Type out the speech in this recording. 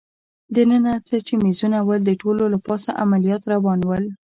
دننه څه چي مېزونه ول، د ټولو له پاسه عملیات روان ول.